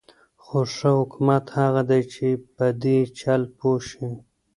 خو ښه حکومت هغه دی چې په دې چل پوه شي.